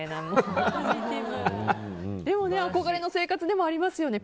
でも、憧れの生活でもありますよね。